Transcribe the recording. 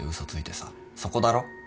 そこだろ。